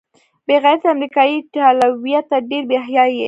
بې غیرته امریکايي ایټالویه، ته ډېر بې حیا یې.